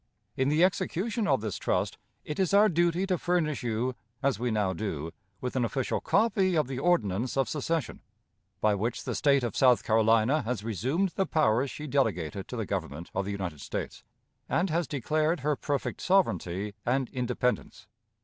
In the execution of this trust, it is our duty to furnish you, as we now do, with an official copy of the ordinance of secession, by which the State of South Carolina has resumed the powers she delegated to the Government of the United States, and has declared her perfect sovereignty and independence.